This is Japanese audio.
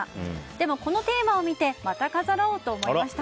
でも、このテーマを見てまた飾ろうと思いました。